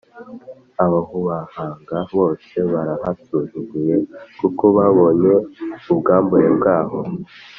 Abahubahaga bose barahasuzuguye, Kuko babonye ubwambure bwaho.